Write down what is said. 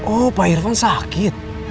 oh pak irfan sakit